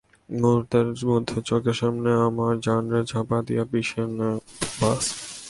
মুহূর্তের মধ্যে চোখের সামনে আমার জানরে চাপা দিয়া পিষে নেয় বাস।